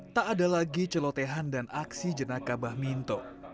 tak ada lagi celotehan dan aksi jenaka bah minto